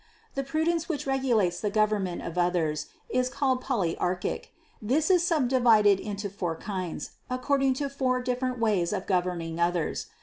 The prudence which regulates the government of others is called pollyarchic ; this is sub divided into four kinds, according to four different ways of governing others.